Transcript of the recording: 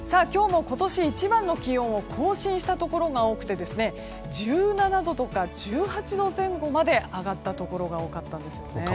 今日も今年一番の気温を更新したところが多くて１７度とか１８度前後まで上がったところが多かったんですね。